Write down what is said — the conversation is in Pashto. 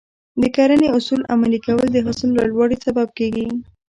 د کرنې اصول عملي کول د حاصل لوړوالي سبب کېږي.